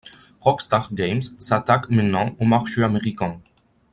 Rockstar Games s'attaquent maintenant au marché américain.